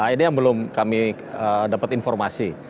ini yang belum kami dapat informasi